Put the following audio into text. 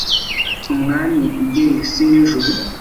umwami ugenga isi n'ijuru